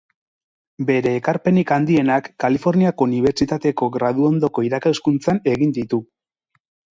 Bere ekarpenik handienak Kaliforniako Unibertsitateko graduondoko irakaskuntzan egin ditu.